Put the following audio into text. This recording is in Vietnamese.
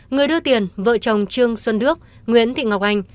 người đưa tiền vợ chồng trương xuân đức nguyễn thị ngọc anh